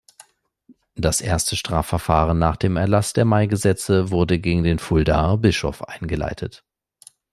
Das erste Strafverfahren nach dem Erlaß der Maigesetze wurde gegen den Fuldaer Bischof eingeleitet.